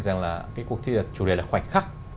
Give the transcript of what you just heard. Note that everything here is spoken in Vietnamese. rằng là cuộc thi chủ đề là khoảnh khắc